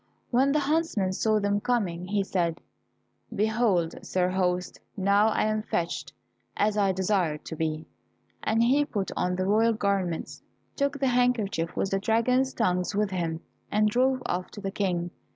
When the huntsman saw them coming, he said, "Behold, sir host, now I am fetched as I desired to be," and he put on the royal garments, took the handkerchief with the dragon's tongues with him, and drove off to the King.